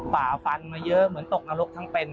ผ่าปัญญามาเยอะเหมือนตกนาฬกษ์ทางเป็น